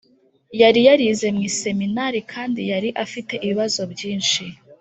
Yari yarize mu iseminari kandi yari afite ibibazo byinshi